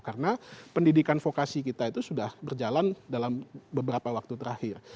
karena pendidikan fokasi kita itu sudah berjalan dalam beberapa waktu terakhir